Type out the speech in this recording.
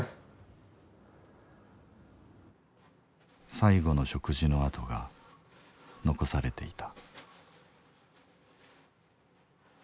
最後の食事の跡が残されていた。